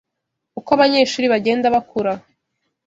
Uko abanyeshuri bagenda bakura,